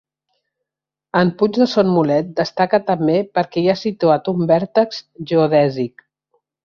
En puig de Son Mulet destaca també perquè hi ha situat un vèrtex geodèsic.